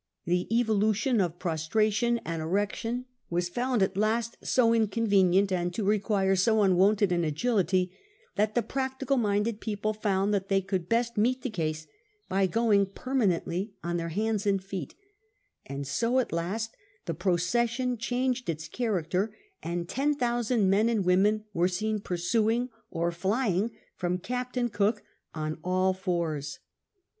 The evolution of prostration and erection was found at last so inconvenient, and to require so unwonted an agility, that the practical niindcd people found that they could best meet the case by going permanently on their hands and feet ; and so at last the procession changed its character, and 10,000 men and women were seen pursuing or flying from Captain Cook on all fours.